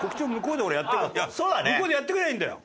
向こうでやってくればいいんだよ。